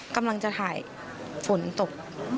กำลังจะถ่ายฝนตก